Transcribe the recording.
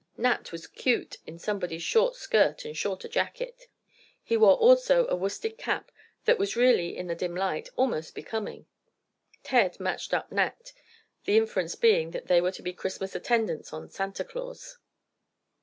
Nat was "cute" in somebody's short skirt and a shorter jacket. He wore also a worsted cap that was really, in the dim light, almost becoming. Ted matched up Nat, the inference being that they were to be Christmas attendants on Santa Claus.